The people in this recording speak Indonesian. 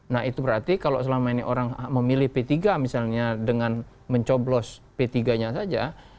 nah itu berarti kalau selama ini orang memilih p tiga misalnya dengan mencoblos p tiga nya saja